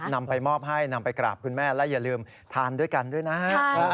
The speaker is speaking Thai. นำไปมอบให้นำไปกราบคุณแม่และอย่าลืมทานด้วยกันด้วยนะฮะ